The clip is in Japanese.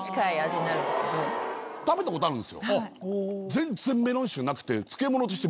全然メロン臭なくて。